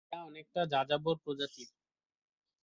এরা অনেকটা যাযাবর প্রজাতির।